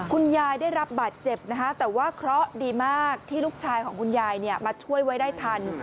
คุณยายได้รับบาดเจ็บนะคะแต่ว่าเคราะห์ดีมากที่ลูกชายของคุณยายมาช่วยไว้ได้ทัน